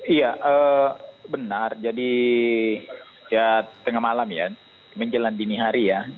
iya benar jadi ya tengah malam ya menjelang dini hari ya